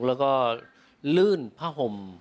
แล้วก็ลื่นผ้าห่ม